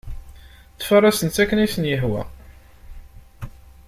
Ttfarasen-tt akken i asen-yehwa.